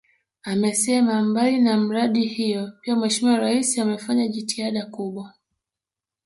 Amesema mbali na miradi hiyo pia Mheshimiwa Rais amefanya jitihada kubwa